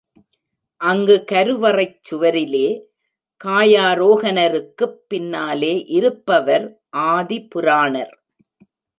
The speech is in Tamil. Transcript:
அங்கு கருவறைச் சுவரிலே காயாரோகனருக்குப் பின்னாலே இருப்பவர் ஆதிபுராணர்.